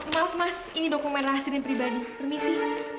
maaf mas ini dokumen rahasilin pribadi permisi